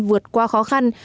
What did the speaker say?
vượt qua khó khăn